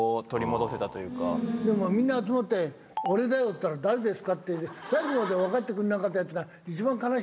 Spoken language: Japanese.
でもみんな集まって「俺だよ！」って言ったら「誰ですか？」って最後まで分かってくんなかったヤツが。